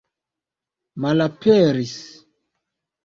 malaperis